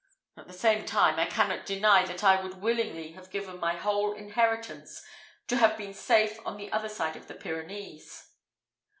At the same time, I cannot deny that I would willingly have given my whole inheritance to have been safe on the other side of the Pyrenees.